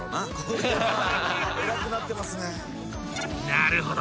［なるほど。